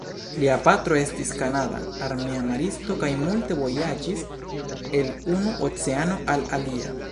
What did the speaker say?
Lia patro estis kanada armea maristo kaj multe vojaĝis el unu oceano al alia.